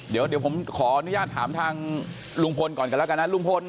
เดี๋ยวผมขออนุญาตถามทางลุงพลก่อนกันแล้วกันนะลุงพล